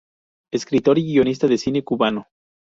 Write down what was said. Escritor y guionista de cine cubano.